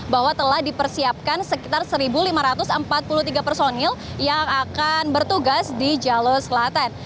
bahwa telah dipersiapkan sekitar satu lima ratus empat puluh tiga personil yang akan bertugas di jalur selatan